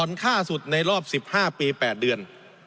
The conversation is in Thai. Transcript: ค่าสุดในรอบ๑๕ปี๘เดือน